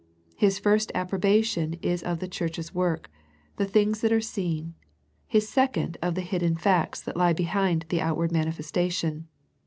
His first ap probation is of the church's work, the things that are seen. His second of the hidden facts that lie behind the outward manifestation.